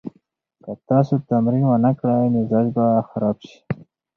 که تاسو تمرین ونه کړئ، مزاج به خراب شي.